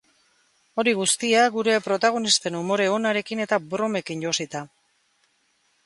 Hori guztia, gure protagonisten umore onarekin eta bromekin josita.